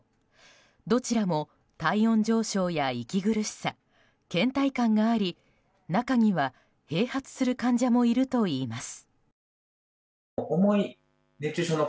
どちらも体温上昇や息苦しさ倦怠感があり中には、併発する患者もいるといいます。